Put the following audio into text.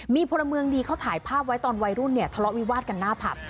มีพลเมืองดีเขาถ่ายภาพไว้ตอนวัยรุ่นเนี่ยทะเลาะวิวาดกันหน้าผับ